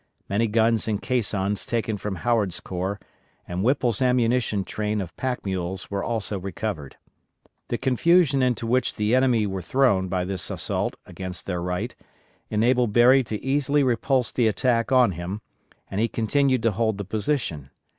Many guns and caissons taken from Howard's corps, and Whipple's ammunition train of pack mules were also recovered. The confusion into which the enemy were thrown by this assault against their right, enabled Berry to easily repulse the attack on him, and he continued to hold the position.